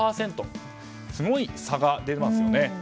すごい差が出ますね。